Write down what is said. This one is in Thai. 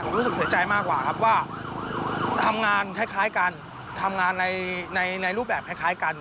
ผมรู้สึกเสียใจมากกว่าครับว่าทำงานในรูปแบบคล้ายกัน